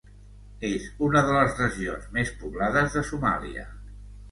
És una de les regions més poblades de Somàlia.